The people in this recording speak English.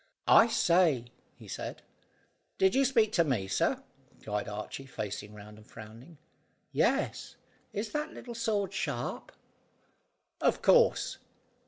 "I say," he said. "Did you speak to me, sir?" cried Archy, facing round, and frowning. "Yes. Is that little sword sharp?" "Of course."